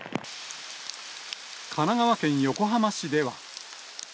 神奈川県横浜市では。